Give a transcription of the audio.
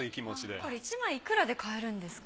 これ１枚いくらで買えるんですか？